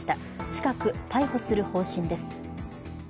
近く逮捕する方針です。